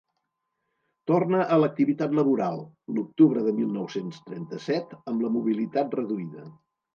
Torna a l'activitat laboral, l'octubre del mil nou-cents trenta-set, amb la mobilitat reduïda.